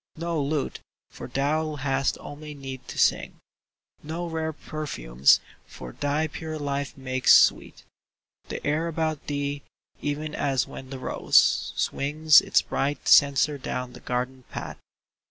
No lute, for thou hast only need to sing ; No rare perfumes, for thy pure life makes sweet The air about thee, even as when the rose Swings its bright censer down the garden path.